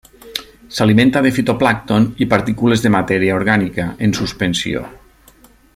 S'alimenta de fitoplàncton i partícules de matèria orgànica en suspensió.